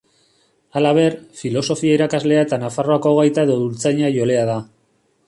Halaber, filosofia irakaslea eta Nafarroako gaita edo dultzaina jolea da.